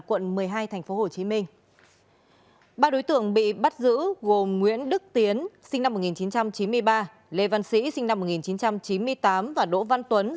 quận một mươi hai tp hcm ba đối tượng bị bắt giữ gồm nguyễn đức tiến lê văn sĩ và đỗ văn tuấn